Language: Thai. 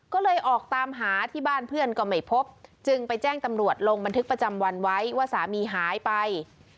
ก็เลยออกตามหาที่บ้านเพื่อนก็ไม่พบจึงไปแจ้งตำรวจลงบันทึกประจำวันไว้ว่าสามีหายไป